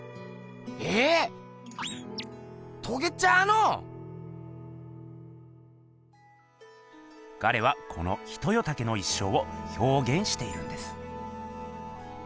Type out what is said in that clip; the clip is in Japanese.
ええ！とけちゃうの⁉ガレはこのヒトヨタケの一生をひょうげんしているんです。